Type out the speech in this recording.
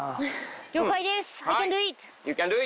了解です。